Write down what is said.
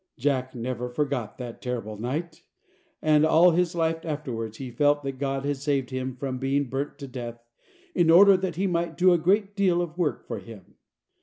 Jack never forgot that terrible night, and all his life afterwards he felt that God had saved him from being burnt to death, in order that he might do a great deal of work for Him.